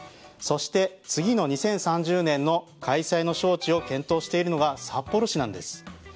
そして、次の２０３０年の開催の招致を検討しているのが札幌市なんです。